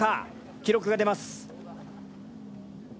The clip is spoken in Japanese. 記録が出ます。